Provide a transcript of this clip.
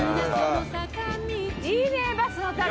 いいねバスの旅。